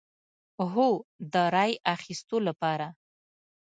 هو، د رای اخیستو لپاره